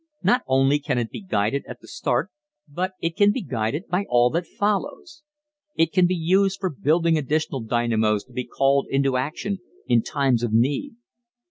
Not only can it be guided at the start but it can be guided by all that follows. It can be used for building additional dynamos to be called into action in times of need.